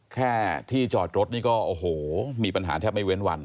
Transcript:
แค่ที่จอดรถนี่ก็โอ้โหมีปัญหาแทบไม่เว้นวัน